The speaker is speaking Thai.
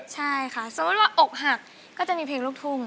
ใช่ค่ะสมมุติว่าอกหักก็จะมีเพลงลูกทุ่ง